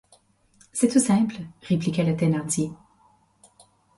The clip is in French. C’est tout simple, répliquait le Thénardier.